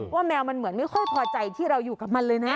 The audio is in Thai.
แมวมันเหมือนไม่ค่อยพอใจที่เราอยู่กับมันเลยนะ